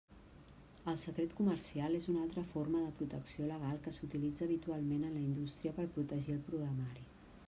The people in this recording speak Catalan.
El secret comercial és una altra forma de protecció legal que s'utilitza habitualment en la indústria per protegir el programari.